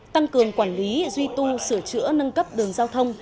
tăng cường quản lý duy tu sửa chữa nâng cấp đường giao thông